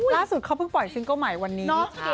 ล่าสุดเขาเพิ่งปล่อยซิงเกิ้ลใหม่วันนี้เนาะ